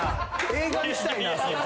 映画にしたいなそれ。